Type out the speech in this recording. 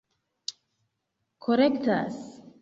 korektas